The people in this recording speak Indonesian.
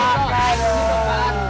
gak ada meti ya